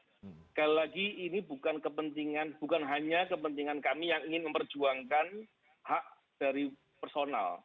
sekali lagi ini bukan kepentingan bukan hanya kepentingan kami yang ingin memperjuangkan hak dari personal